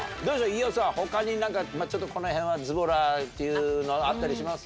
伊代さん他に何かちょっとこの辺はズボラっていうのあったりします？